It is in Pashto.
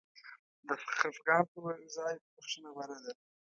د خفګان پر ځای بخښنه غوره ده.